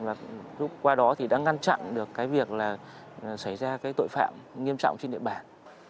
và lúc qua đó thì đã ngăn chặn được cái việc là xảy ra cái tội phạm nghiêm trọng trên địa bàn